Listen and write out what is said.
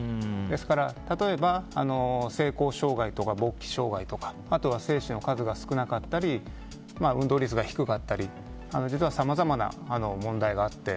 ですから、例えば性交障害とか勃起障害とかあとは精子の数が少なかったり運動率が低かったりさまざまな問題があって。